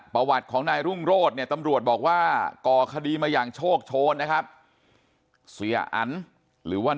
ประวัติของนายรุ่งโรธเนี่ยตำรวจบอกว่าก่อคดีมาอย่างโชคโชนนะครับเสียอันหรือว่า